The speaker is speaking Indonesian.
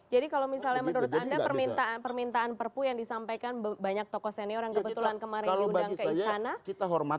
jadi kalau misalnya menurut anda permintaan perpu yang disampaikan banyak tokoh senior yang kebetulan kemarin diundang ke istana